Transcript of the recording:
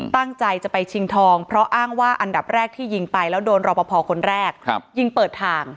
ตั้งใจจะไปชิงทองเพราะอ้างว่าอันดับแรกที่ยิงไปแล้วโดนรอปภคนแรกยิงเปิดทาง